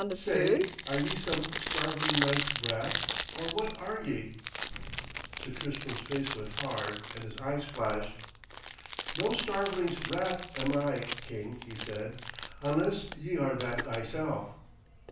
Say, are ye some starveling knight's brat, or what are ye?' Sir Tristram's face went hard and his eyes flashed. 'No starveling's brat am I, king,' he said, 'unless ye are that thyself.'